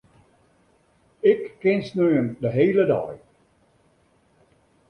Ik kin sneon de hiele dei.